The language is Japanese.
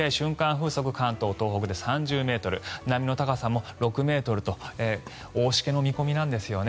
風速関東、東北で３０ｍ波の高さも６ｍと大しけの見込みなんですよね。